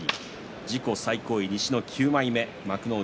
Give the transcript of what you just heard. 自己最高位、西の９枚目幕内